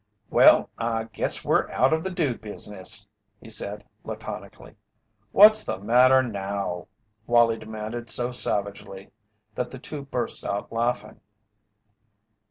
"Well, I guess we're out of the dude business," he said, laconically. "What's the matter now?" Wallie demanded so savagely that the two burst out laughing.